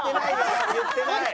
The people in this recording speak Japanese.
言ってないよ。